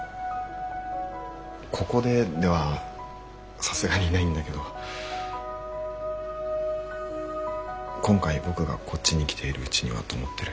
ここでではさすがにないんだけど今回僕がこっちに来ているうちにはと思ってる。